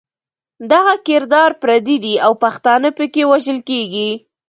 دغه کردار پردی دی او پښتانه پکې وژل کېږي.